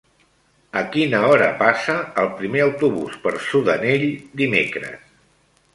A quina hora passa el primer autobús per Sudanell dimecres?